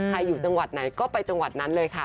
อยู่จังหวัดไหนก็ไปจังหวัดนั้นเลยค่ะ